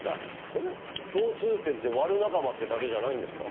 えっ共通点ってワル仲間ってだけじゃないんですか？